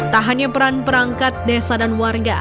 tak hanya peran perangkat desa dan warga